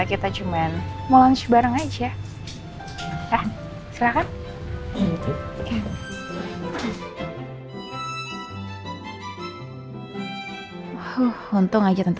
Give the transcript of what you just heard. kita cuman mau lanjut bareng aja